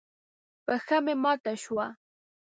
پښه مې ماته شوه.